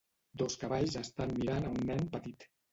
Dos cavalls estan mirant a un nen petit.